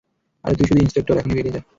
আরে, তুই শুধু ইন্সপেক্টর, এখনি বেরিয়ে যা।